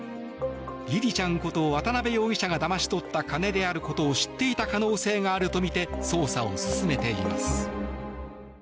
りりちゃんこと渡邊容疑者がだまし取った金であることを知っていた可能性があるとみて捜査を進めています。